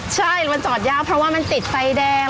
ใช่มันจอดยากเพราะว่ามันติดไฟแดง